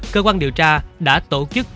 cơ quan điều tra đã tổ chức